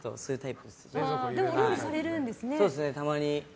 でもお料理されるんですね。